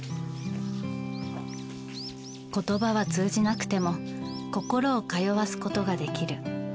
言葉は通じなくても心を通わすことができる。